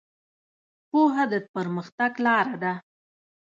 پوهه د پرمختګ لاره ده.